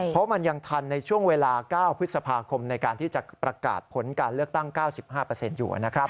เพราะมันยังทันในช่วงเวลา๙พฤษภาคมในการที่จะประกาศผลการเลือกตั้ง๙๕อยู่นะครับ